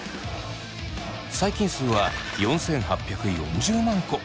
細菌数は４，８４０万個。